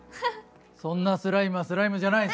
そんなスライムはスライムじゃない！